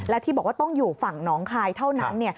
และที่บอกว่าต้องอยู่ฝั่งน้องคายเท่านั้น